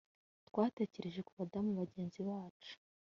“ Twatekereje ku badamu bagenzi bacu